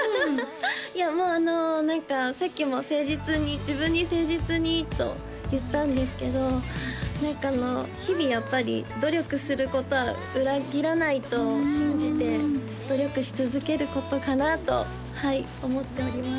いやもう何かさっきも誠実に自分に誠実にと言ったんですけど何か日々やっぱり努力することは裏切らないと信じて努力し続けることかなと思っております